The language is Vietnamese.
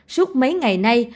suốt mấy ngày nay